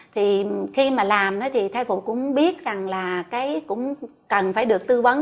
thì khi mà làm thì thai phụ cũng biết rằng là cái cũng cần phải được tư vấn